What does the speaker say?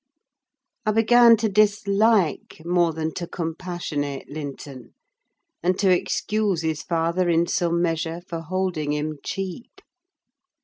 I began to dislike, more than to compassionate Linton, and to excuse his father in some measure for holding him cheap.